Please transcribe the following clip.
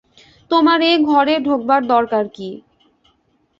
তোমার এ ঘরে ঢোকবার দরকার কী?